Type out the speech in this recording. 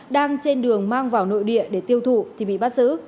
đang trên đường mang vào nội địa để tiêu thụ thì bị bắt giữ